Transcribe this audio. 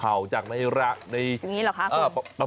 เอาล่ะเดินทางมาถึงในช่วงไฮไลท์ของตลอดกินในวันนี้แล้วนะครับ